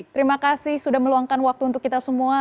terima kasih sudah meluangkan waktu untuk kita semua